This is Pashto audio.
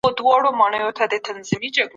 پاپانو او کشیشانو ډیر واک درلود.